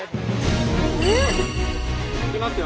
いきますよ